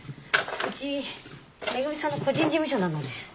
うち恵さんの個人事務所なので。